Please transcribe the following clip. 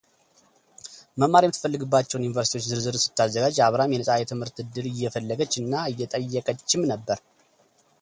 መማር የምትፈልግባቸውን ዩኒቨርስቲዎች ዝርዝር ስታዘጋጅ አብራም የነጻ የትምህርት ዕድል እየፈለገች እና እየጠየቀችም ነበር።